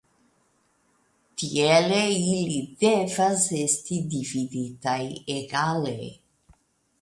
Tiele ili devas esti dividitaj egale.